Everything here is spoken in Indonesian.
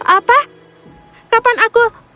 apa kapan aku